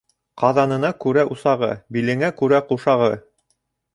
Ҡаҙанына күрә усағы, билеңә күрә ҡушағы.